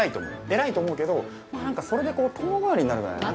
偉いと思うけど何かそれで遠回りになるぐらいなら。